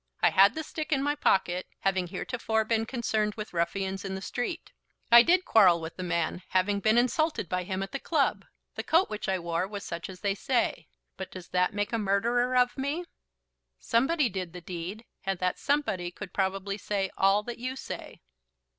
I had the stick in my pocket, having heretofore been concerned with ruffians in the street. I did quarrel with the man, having been insulted by him at the club. The coat which I wore was such as they say. But does that make a murderer of me?" "Somebody did the deed, and that somebody could probably say all that you say."